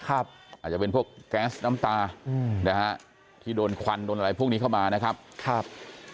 อาจจะเป็นพวกแก๊สน้ำตาอืมนะฮะที่โดนควันโดนอะไรพวกนี้เข้ามานะครับครับ